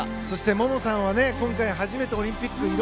そして、萌々さんは今回初めてのオリンピック。